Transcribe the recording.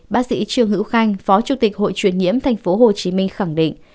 bác sĩ trương hữu khanh phó chủ tịch hội truyền nhiễm tp hcm khẳng định